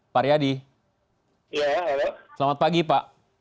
pak riyadi selamat pagi pak